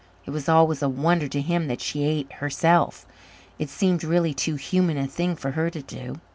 It was always a wonder to him that she ate, herself. It seemed really too human a thing for her to do.